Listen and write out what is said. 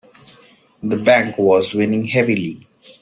The bank was winning heavily.